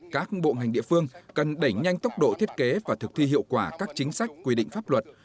các bộ ngành địa phương cần đẩy nhanh tốc độ thiết kế và thực thi hiệu quả các chính sách quy định pháp luật